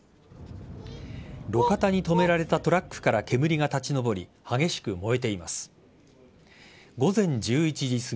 路肩に止められたトラックから煙が立ち上り激しく燃えています。